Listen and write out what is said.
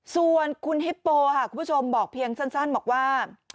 ส่วนคุณฮิปโปค่ะคุณผู้ชมบอกเพียงสั้นบอกว่า